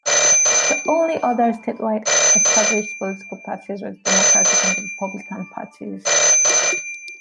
The only other statewide established political parties were the Democratic and Republican parties.